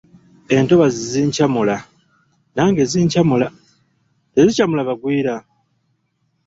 "Entobazzi zikyamula , nange zinkyamula , tezikyamula mugwira?"